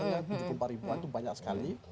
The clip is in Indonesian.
yang tujuh puluh empat ribuan itu banyak sekali